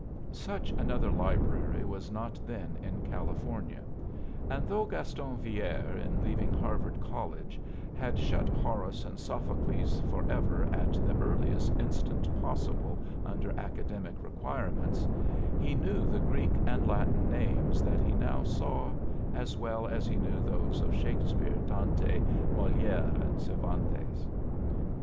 Such another library was not then in California; and though Gaston Villere, in leaving Harvard College, had shut Horace and Sophocles forever at the earliest instant possible under academic requirements, he knew the Greek and Latin names that he now saw as well as he knew those of Shakespeare, Dante, Moliere, and Cervantes.